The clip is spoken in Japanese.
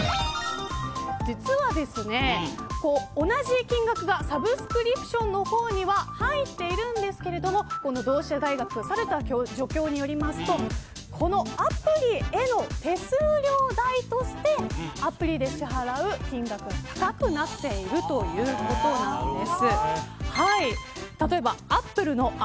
実は同じ金額がサブスクリプションの方には入っているんですがこの同志社大学猿田助教によりますとこのアプリへの手数料代としてアプリで支払う金額が高くなっているということです。